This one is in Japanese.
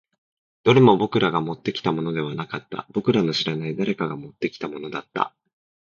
どれも僕らがもってきたものではなかった。僕らの知らない誰かが持ってきたものだった。